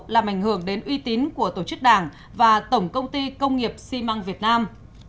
làm ảnh hưởng đến uy tín của tổ chức đảng và tổng công ty công nghiệp xi măng việt nam